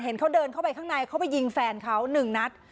เขาเดินเข้าไปข้างในเขาไปยิงแฟนเขาหนึ่งนัด